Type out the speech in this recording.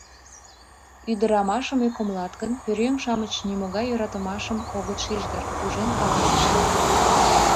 — Ӱдырамашым ӧкымлат гын, пӧръеҥ-шамыч нимогай йӧратымашым огыт шиж дыр, — пужен каласыш Нина.